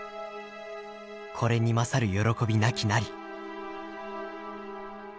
これに勝る喜びなきなり」。